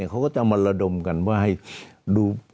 เขาก็จะมาระดมกันว่าให้ดู